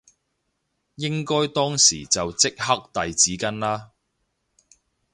應該當時就即刻遞紙巾啦